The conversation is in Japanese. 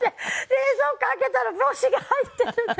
冷蔵庫を開けたら帽子が入っているんです。